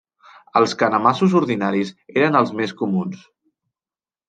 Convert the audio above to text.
Els canemassos ordinaris eren els més comuns.